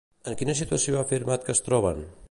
En quina situació ha afirmat que es troben?